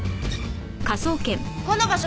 ５の場所